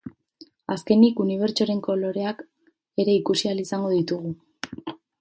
Azkenik, unibertsoren koloreak ere ikusi ahal izango ditugu.